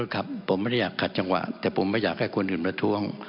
ครับผมไม่ได้อยากขัดจังหวะแต่ผมไม่อยากให้คนอื่นประท้วง